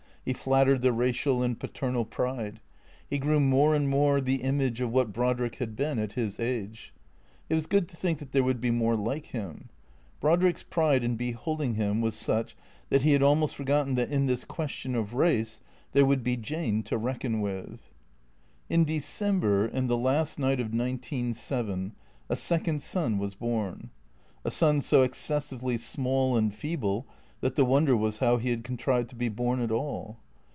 He flattered the racial and paternal pride. He grew more and more the image of what Brodrick had been at his age. It was good to think that there would be more like him. Brodrick's pride in beholding him was such that he had almost forgotten that in this question of race there would be Jane to reckon with. In December, in the last night of nineteen seven, a second son was born. A son so excessively small and feeble that the wonder was how he had contrived to be born at all.